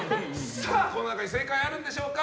この中に正解あるんでしょうか。